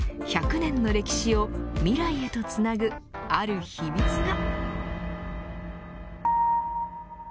１００年の歴史を未来へとつなぐある秘密が。